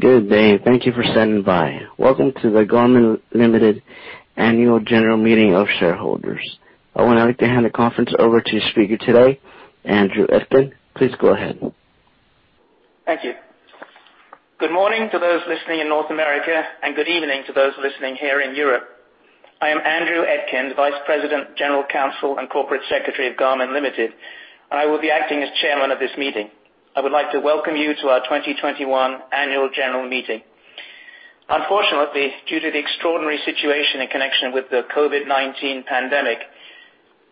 Good day. Thank you for standing by. Welcome to the Garmin Ltd. Annual General Meeting of Shareholders. I would now like to hand the conference over to your speaker today, Andrew Etkind. Please go ahead. Thank you. Good morning to those listening in North America, and good evening to those listening here in Europe. I am Andrew Etkind, Vice President, General Counsel, and Corporate Secretary of Garmin Ltd., and I will be acting as chairman of this meeting. I would like to welcome you to our 2021 Annual General Meeting. Unfortunately, due to the extraordinary situation in connection with the COVID-19 pandemic,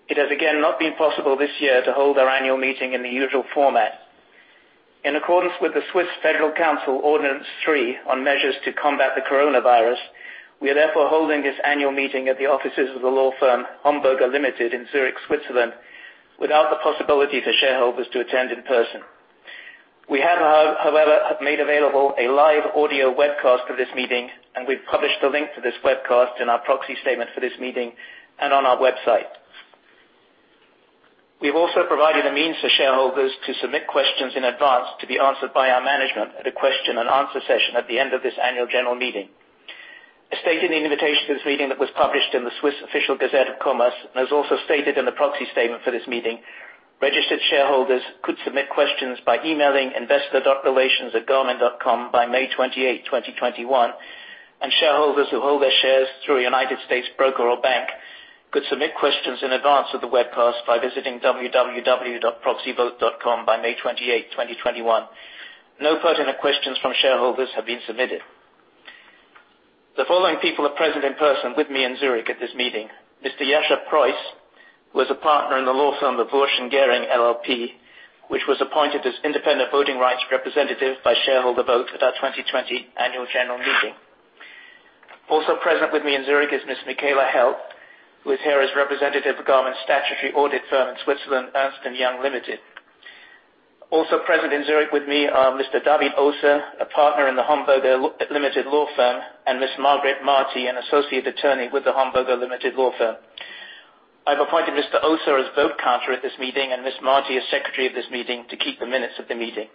it has again not been possible this year to hold our annual meeting in the usual format. In accordance with the Swiss Federal Council Ordinance 3 on Measures to Combat the Coronavirus (COVID-19), we are therefore holding this annual meeting at the offices of the law firm, Homburger AG in Zurich, Switzerland, without the possibility for shareholders to attend in person. We have, however, made available a live audio webcast of this meeting, and we've published the link to this webcast in our proxy statement for this meeting and on our website. We've also provided a means for shareholders to submit questions in advance to be answered by our management at a question and answer session at the end of this annual general meeting. As stated in the invitation to this meeting that was published in the Swiss Official Gazette of Commerce, and as also stated in the proxy statement for this meeting, registered shareholders could submit questions by emailing investor.relations@garmin.com by May 28, 2021, and shareholders who hold their shares through a United States broker or bank could submit questions in advance of the webcast by visiting www.proxyvote.com by May 28, 2021. No pertinent questions from shareholders have been submitted. The following people are present in person with me in Zurich at this meeting. Mr. Jascha Preuss, who is a Partner in the law firm of Wuersch & Gering LLP, which was appointed as independent voting rights representative by shareholder vote at our 2020 Annual General Meeting. Also present with me in Zurich is Ms. Michaela Heldt, who is here as representative of Garmin Statutory Audit Firm in Switzerland, Ernst & Young Ltd. Also present in Zurich with me are Mr. David Oser, a Partner in the Homburger AG law firm, and Ms. Margret Marti, an Associate Attorney with the Homburger AG law firm. I've appointed Mr. Oser as vote counter at this meeting and Ms. Marti as secretary of this meeting to keep the minutes of the meeting.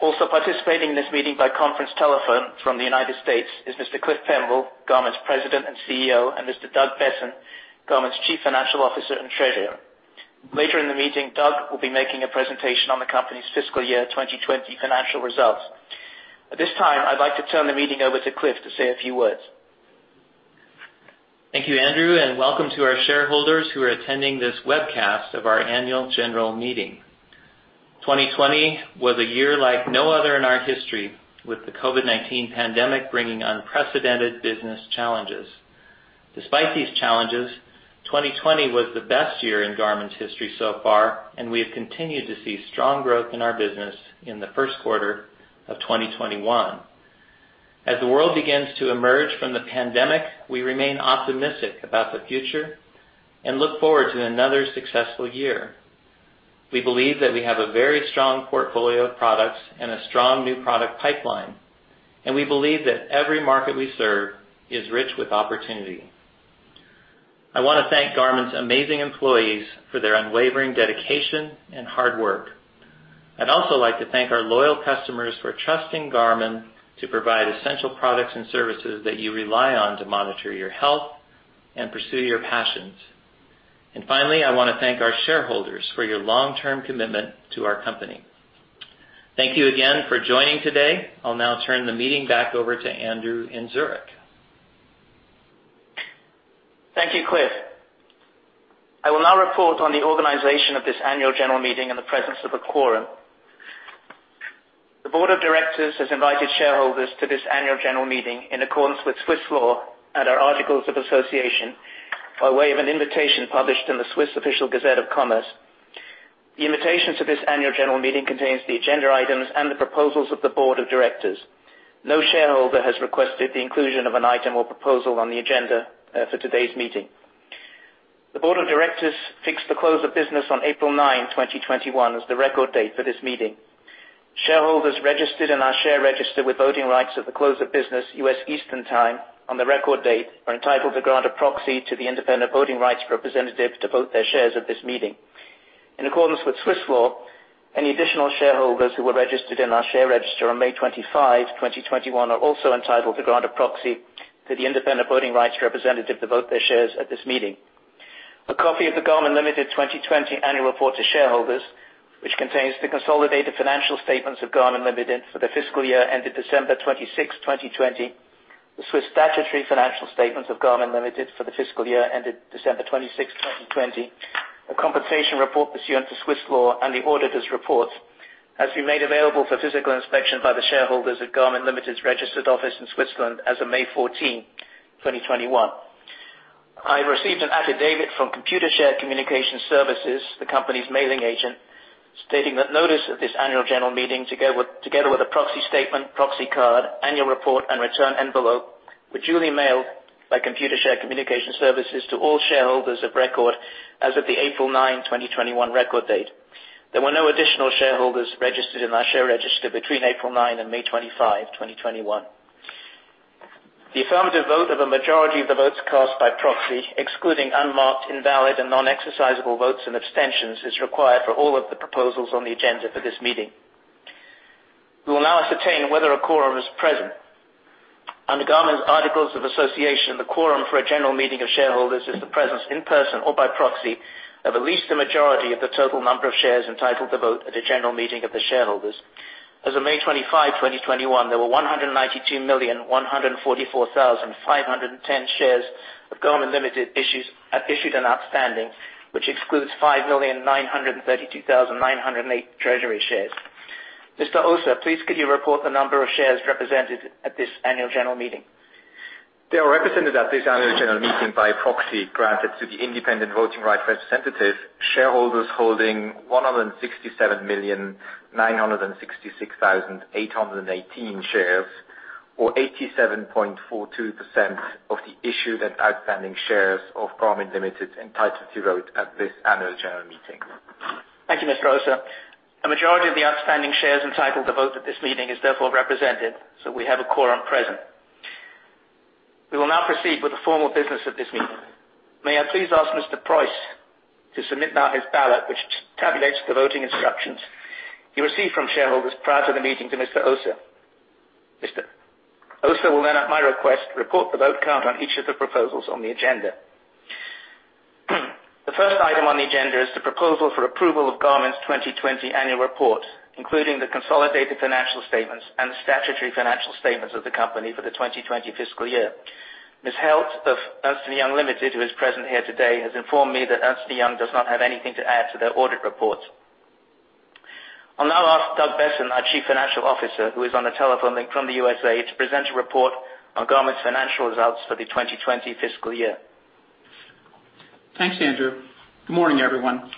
Also participating in this meeting by conference telephone from the United States is Mr. Cliff Pemble, Garmin's President and CEO, and Mr. Doug Boessen, Garmin's Chief Financial Officer and Treasurer. Later in the meeting, Doug will be making a presentation on the company's fiscal year 2020 financial results. At this time, I'd like to turn the meeting over to Cliff to say a few words. Thank you, Andrew, and welcome to our shareholders who are attending this webcast of our annual general meeting. 2020 was a year like no other in our history, with the COVID-19 pandemic bringing unprecedented business challenges. Despite these challenges, 2020 was the best year in Garmin's history so far, and we have continued to see strong growth in our business in the first quarter of 2021. As the world begins to emerge from the pandemic, we remain optimistic about the future and look forward to another successful year. We believe that we have a very strong portfolio of products and a strong new product pipeline, and we believe that every market we serve is rich with opportunity. I want to thank Garmin's amazing employees for their unwavering dedication and hard work. I'd also like to thank our loyal customers for trusting Garmin to provide essential products and services that you rely on to monitor your health and pursue your passions. Finally, I want to thank our shareholders for your long-term commitment to our company. Thank you again for joining today. I'll now turn the meeting back over to Andrew in Zurich. Thank you, Cliff. I will now report on the organization of this annual general meeting in the presence of a quorum. The board of directors has invited shareholders to this annual general meeting in accordance with Swiss law and our articles of association, by way of an invitation published in the Swiss Official Gazette of Commerce. The invitation to this annual general meeting contains the agenda items and the proposals of the board of directors. No shareholder has requested the inclusion of an item or proposal on the agenda for today's meeting. The board of directors fixed the close of business on April 9, 2021, as the record date for this meeting. Shareholders registered in our share register with voting rights at the close of business U.S. Eastern Time on the record date are entitled to grant a proxy to the independent voting rights representative to vote their shares at this meeting. In accordance with Swiss law, any additional shareholders who were registered in our share register on May 25, 2021, are also entitled to grant a proxy to the independent voting rights representative to vote their shares at this meeting. A copy of the Garmin Ltd. 2020 Annual Report to Shareholders, which contains the consolidated financial statements of Garmin Ltd. for the fiscal year ended December 26, 2020, the Swiss statutory financial statements of Garmin Ltd. for the fiscal year ended December 26, 2020. A compensation report pursuant to Swiss law, and the auditor's report, has been made available for physical inspection by the shareholders at Garmin Ltd.'s registered office in Switzerland as of May 14, 2021. I received an affidavit from Computershare Communication Services, the company's mailing agent, stating that notice of this annual general meeting, together with a proxy statement, proxy card, annual report, and return envelope, were duly mailed by Computershare Communication Services to all shareholders of record as of the April 9, 2021, record date. There were no additional shareholders registered in our share register between April 9 and May 25, 2021. Affirmative vote of a majority of the votes cast by proxy, excluding unmarked, invalid, and non-exercisable votes and abstentions, is required for all of the proposals on the agenda for this meeting. We will now ascertain whether a quorum is present. Under Garmin's articles of association, the quorum for a general meeting of shareholders is the presence in person or by proxy of at least a majority of the total number of shares entitled to vote at a general meeting of the shareholders. As of May 25, 2021, there were 192,144,510 shares of Garmin Ltd. issued and outstanding, which excludes 5,932,908 treasury shares. Mr. Oser, please could you report the number of shares represented at this annual general meeting? There are represented at this annual general meeting by proxy granted to the independent voting rights representatives, shareholders holding 167,966,818 shares, or 87.42% of the issued and outstanding shares of Garmin Ltd. entitled to vote at this annual general meeting. Thank you, Mr. Oser. A majority of the outstanding shares entitled to vote at this meeting is therefore represented, so we have a quorum present. We will now proceed with the formal business of this meeting. May I please ask Mr. Preuss to submit now his ballot, which tabulates the voting instructions he received from shareholders prior to the meeting to Mr. Oser. Mr. Oser will then, at my request, report the vote count on each of the proposals on the agenda. The first item on the agenda is the proposal for approval of Garmin's 2020 annual report, including the consolidated financial statements and the statutory financial statements of the company for the 2020 fiscal year. Ms. Heldt of Ernst & Young Ltd, who is present here today, has informed me that Ernst & Young does not have anything to add to their audit report. I'll now ask Douglas Boessen, our Chief Financial Officer, who is on a telephone link from the U.S.A., to present a report on Garmin's financial results for the 2020 fiscal year. Thanks, Andrew Etkind. Good morning, everyone.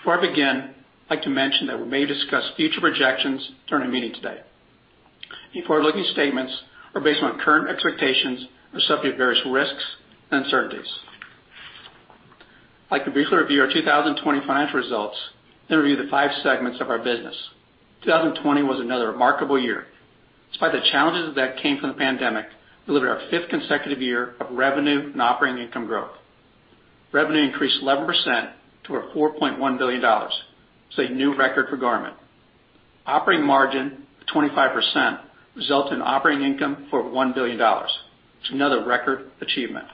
Before I begin, I'd like to mention that we may discuss future projections during the meeting today. The forward-looking statements are based on current expectations and are subject to various risks and uncertainties. I'd like to briefly review our 2020 financial results, then review the five segments of our business. 2020 was another remarkable year. Despite the challenges that came from the pandemic, delivered our fifth consecutive year of revenue and operating income growth. Revenue increased 11% to $4.1 billion, which is a new record for Garmin. Operating margin of 25% resulted in operating income of over $1 billion, which is another record achievement.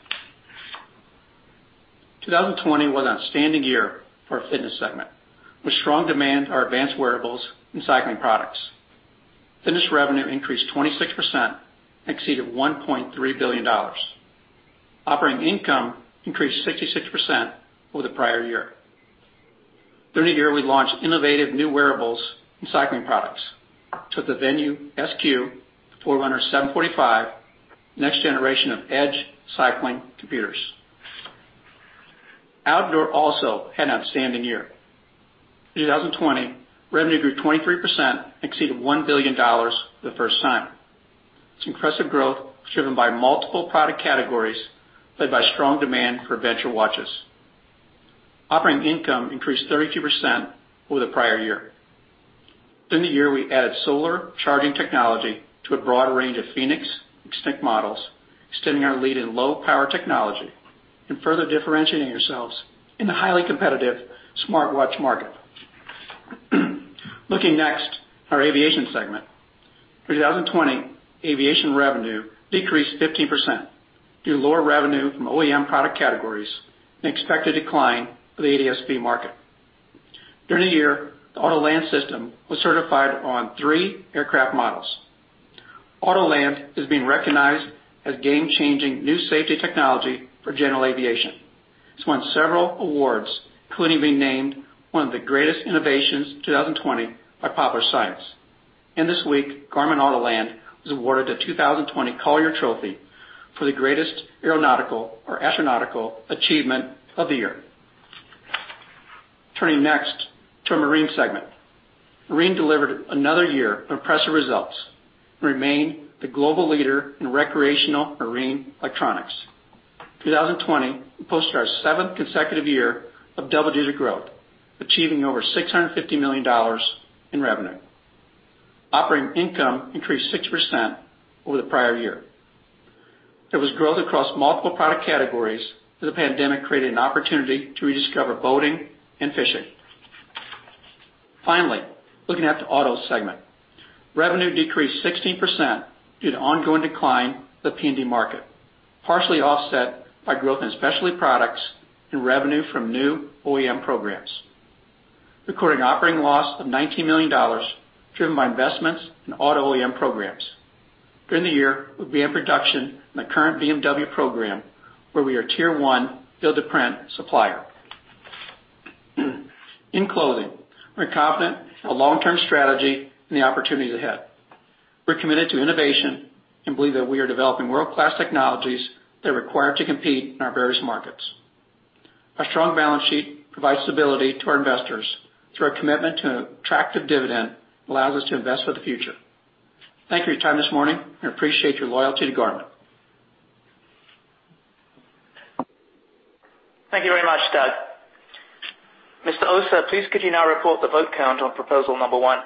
2020 was an outstanding year for our Fitness segment, with strong demand for our advanced wearables and cycling products. Fitness revenue increased 26% and exceeded $1.3 billion. Operating income increased 66% over the prior year. During the year, we launched innovative new wearables and cycling products, such as the Venu Sq, Forerunner 745, and next generation of Edge cycling computers. Outdoor also had an outstanding year. In 2020, revenue grew 23% and exceeded $1 billion for the first time. This impressive growth was driven by multiple product categories, led by strong demand for fēnix watches. Operating income increased 32% over the prior year. During the year, we added solar charging technology to a broad range of fēnix and Instinct models, extending our lead in low-power technology and further differentiating ourselves in the highly competitive smartwatch market. Looking next, our Aviation segment. In 2020, Aviation revenue decreased 15% due to lower revenue from OEM product categories and expected decline of the ADS-B market. During the year, the Autoland system was certified on three aircraft models. Autoland is being recognized as game-changing new safety technology for general aviation. It's won several awards, including being named one of the greatest innovations of 2020 by Popular Science. This week, Garmin Autoland was awarded the 2020 Robert J. Collier Trophy for the greatest aeronautical or astronautical achievement of the year. Turning next to our Marine segment. Marine delivered another year of impressive results and remained the global leader in recreational marine electronics. 2020 posted our seventh consecutive year of double-digit growth, achieving over $650 million in revenue. Operating income increased 6% over the prior year. There was growth across multiple product categories as the pandemic created an opportunity to rediscover boating and fishing. Finally, looking at the Auto segment. Revenue decreased 16% due to ongoing decline of the PND market, partially offset by growth in specialty products and revenue from new OEM programs. Recording operating loss of $19 million, driven by investments in Auto OEM programs. During the year, we'll be in production on the current BMW program, where we are tier one build-to-print supplier. In closing, we're confident in our long-term strategy and the opportunity ahead. We're committed to innovation and believe that we are developing world-class technologies that are required to compete in our various markets. Our strong balance sheet provides stability to our investors through our commitment to an attractive dividend that allows us to invest for the future. Thank you for your time this morning. We appreciate your loyalty to Garmin. Thank you very much, Doug. Mr. Oser, please could you now report the vote count on proposal number one?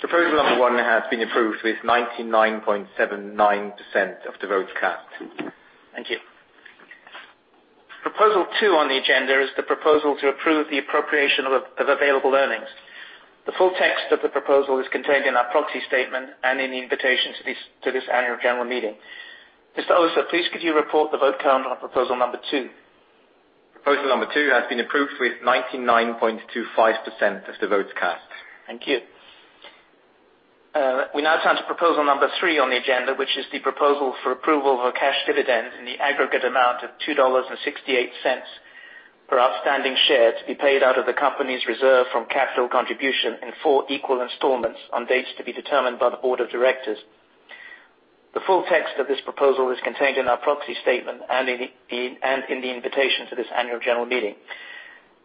Proposal number one has been approved with 99.79% of the votes cast. Thank you. Proposal two on the agenda is the proposal to approve the appropriation of available earnings. The full text of the proposal is contained in our proxy statement and in the invitation to this annual general meeting. Mr. Oser, please could you report the vote count on proposal number two? Proposal number two has been approved with 99.25% of the votes cast. Thank you. We now turn to proposal number three on the agenda, which is the proposal for approval of a cash dividend in the aggregate amount of $2.68 per outstanding share to be paid out of the company's reserve from capital contribution in four equal installments on dates to be determined by the board of directors. The full text of this proposal is contained in our proxy statement and in the invitation to this annual general meeting.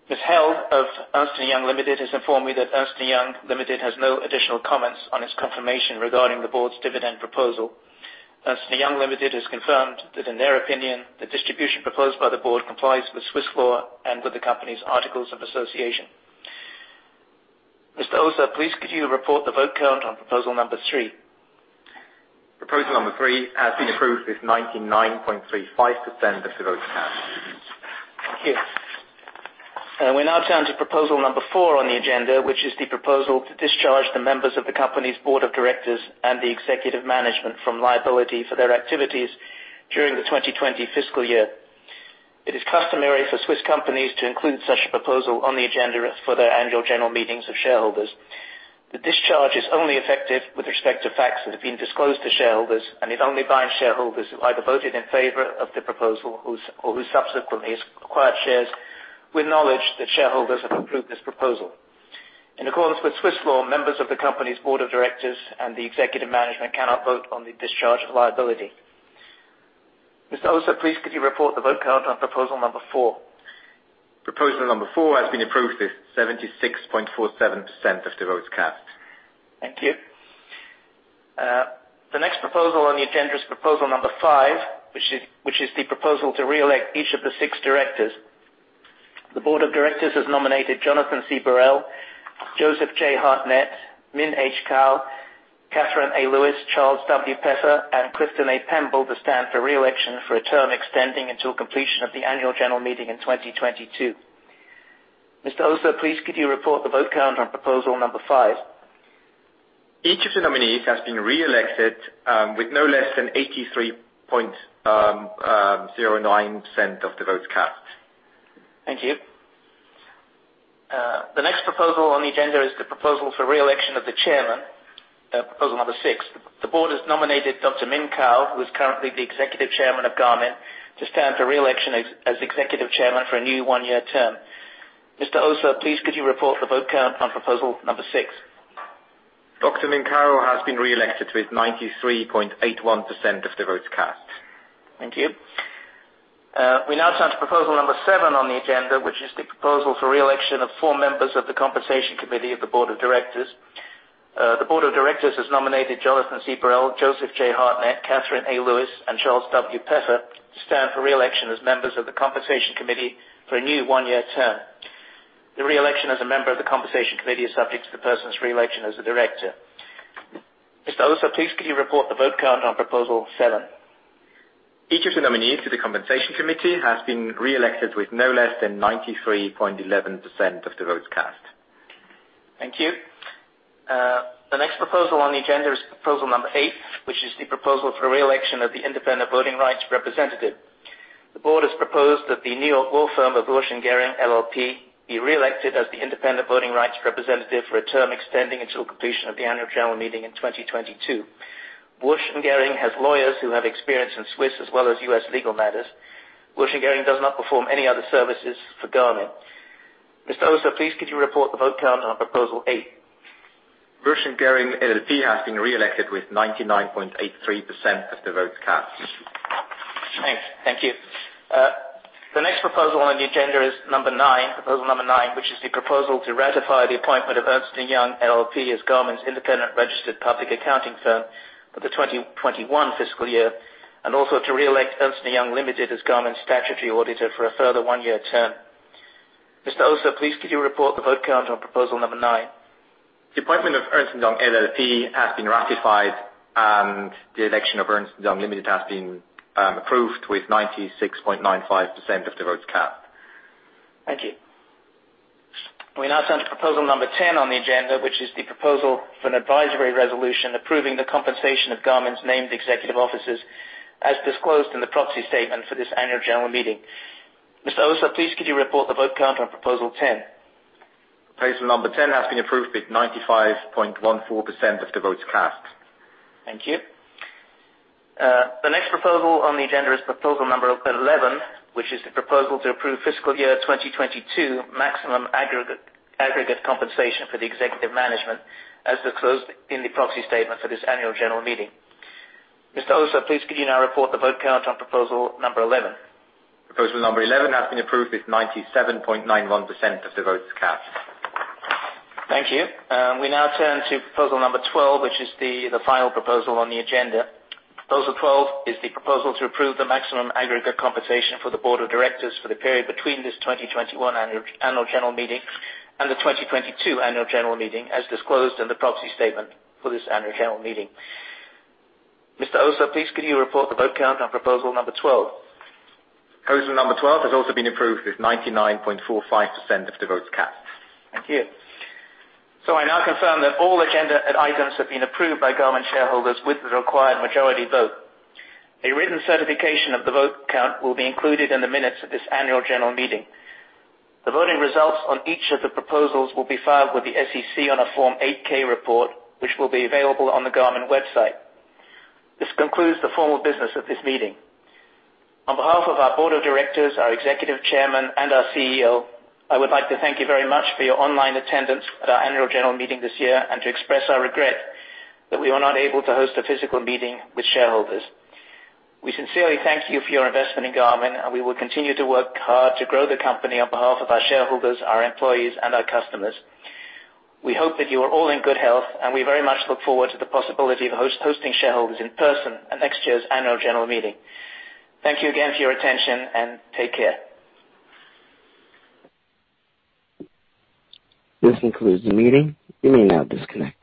Ms. Heldt of Ernst & Young Ltd has informed me that Ernst & Young Ltd has no additional comments on its confirmation regarding the board's dividend proposal. Ernst & Young Ltd has confirmed that, in their opinion, the distribution proposed by the board complies with Swiss law and with the company's articles of association. Mr. Oser, please could you report the vote count on proposal number three? Proposal number three has been approved with 99.35% of the votes cast. Thank you. We now turn to proposal number four on the agenda, which is the proposal to discharge the members of the company's board of directors and the executive management from liability for their activities during the 2020 fiscal year. It is customary for Swiss companies to include such a proposal on the agenda for their annual general meetings of shareholders. The discharge is only effective with respect to facts that have been disclosed to shareholders, and it only binds shareholders who either voted in favor of the proposal or who subsequently acquired shares with knowledge that shareholders have approved this proposal. In accordance with Swiss law, members of the company's board of directors and the executive management cannot vote on the discharge of liability. Mr. Oser, please could you report the vote count on proposal number four? Proposal number four has been approved with 76.47% of the votes cast. Thank you. The next proposal on the agenda is proposal number five, which is the proposal to reelect each of the six directors. The board of directors has nominated Jonathan C. Burrell, Joseph J. Hartnett, Min H. Kao, Catherine A. Lewis, Charles W. Peffer, and Clifton A. Pemble to stand for re-election for a term extending until completion of the annual general meeting in 2022. Mr. Oser, please could you report the vote count on proposal number five. Each of the nominees has been reelected with no less than 83.09% of the votes cast. Thank you. The next proposal on the agenda is the proposal for re-election of the chairman, proposal number six. The board has nominated Dr. Min H. Kao, who is currently the Executive Chairman of Garmin, to stand for re-election as Executive Chairman for a new one-year term. Mr. Oser, please could you report the vote count on proposal number six. Dr. Min H. Kao has been reelected with 93.81% of the votes cast. Thank you. We now turn to proposal number 7 on the agenda, which is the proposal for re-election of four members of the compensation committee of the board of directors. The board of directors has nominated Jonathan C. Burrell, Joseph J. Hartnett, Catherine A. Lewis, and Charles W. Peffer to stand for re-election as members of the compensation committee for a new one-year term. The re-election as a member of the compensation committee is subject to the person's re-election as a director. Mr. Oser, please could you report the vote count on proposal seven. Each of the nominees to the compensation committee has been reelected with no less than 93.11% of the votes cast. Thank you. The next proposal on the agenda is proposal number eight, which is the proposal for re-election of the independent voting rights representative. The board has proposed that the New York law firm of Wuersch & Gering LLP be reelected as the independent voting rights representative for a term extending until completion of the annual general meeting in 2022. Wuersch & Gering has lawyers who have experience in Swiss as well as U.S. legal matters. Wuersch & Gering does not perform any other services for Garmin. Mr. Oser, please could you report the vote count on proposal eight. Wuersch & Gering LLP has been reelected with 99.83% of the votes cast. Thanks. Thank you. The next proposal on the agenda is number nine, proposal number nine, which is the proposal to ratify the appointment of Ernst & Young LLP as Garmin's independent registered public accounting firm for the 2021 fiscal year, and also to reelect Ernst & Young Limited as Garmin's statutory auditor for a further one-year term. Mr. Oser, please could you report the vote count on proposal number nine. The appointment of Ernst & Young LLP has been ratified, and the election of Ernst & Young Ltd has been approved with 96.95% of the votes cast. Thank you. We now turn to proposal number 10 on the agenda, which is the proposal for an advisory resolution approving the compensation of Garmin's named executive officers as disclosed in the proxy statement for this annual general meeting. Mr. Oser, please could you report the vote count on proposal 10? Proposal number 10 has been approved with 95.14% of the votes cast. Thank you. The next proposal on the agenda is proposal number 11, which is the proposal to approve fiscal year 2022 maximum aggregate compensation for the executive management, as disclosed in the proxy statement for this annual general meeting. Mr. Oser, please could you now report the vote count on proposal number 11? Proposal number 11 has been approved with 97.91% of the votes cast. Thank you. We now turn to proposal number 12, which is the final proposal on the agenda. Proposal 12 is the proposal to approve the maximum aggregate compensation for the board of directors for the period between this 2021 annual general meeting and the 2022 annual general meeting, as disclosed in the proxy statement for this annual general meeting. Mr. Oser, please could you report the vote count on proposal number 12. Proposal number 12 has also been approved with 99.45% of the votes cast. Thank you. I now confirm that all agenda items have been approved by Garmin shareholders with the required majority vote. A written certification of the vote count will be included in the minutes of this annual general meeting. The voting results on each of the proposals will be filed with the SEC on a Form 8-K report, which will be available on the Garmin website. This concludes the formal business of this meeting. On behalf of our board of directors, our Executive Chairman, and our CEO, I would like to thank you very much for your online attendance at our annual general meeting this year and to express our regret that we were not able to host a physical meeting with shareholders. We sincerely thank you for your investment in Garmin, and we will continue to work hard to grow the company on behalf of our shareholders, our employees, and our customers. We hope that you are all in good health, and we very much look forward to the possibility of hosting shareholders in person at next year's annual general meeting. Thank you again for your attention, and take care. This concludes the meeting. You may now disconnect.